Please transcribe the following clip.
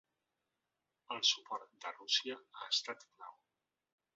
El suport de Rússia ha estat clau.